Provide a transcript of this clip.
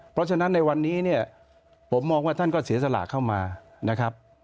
เพราะฉะนั้นในวันนี้เนี่ยผมมองว่าท่านก็เสียสละเข้ามานะครับ